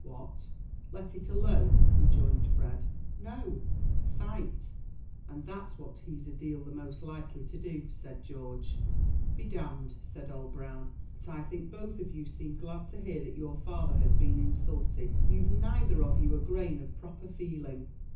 "What let it alone?" rejoined Fred. "No; fight and that's what he's a deal the most likely to do," said George. "Be d d," said old Brown, "but I think both of you seem glad to hear that your father has been insulted! you've neither of you a grain of proper feeling."